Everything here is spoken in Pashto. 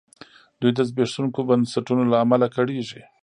دوی د زبېښونکو بنسټونو له امله کړېږي.